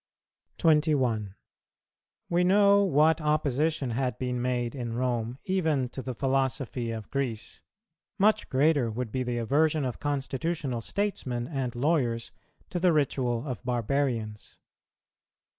[233:2] 21. We know what opposition had been made in Rome even to the philosophy of Greece; much greater would be the aversion of constitutional statesmen and lawyers to the ritual of barbarians.